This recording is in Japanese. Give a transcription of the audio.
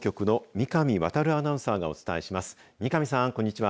三上さん、こんにちは。